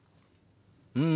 うん。